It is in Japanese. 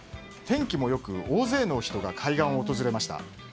天気も良く大勢の人が海岸を訪れました。